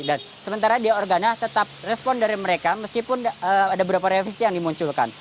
dan sementara di organa tetap respon dari mereka meskipun ada beberapa revisi yang dimunculkan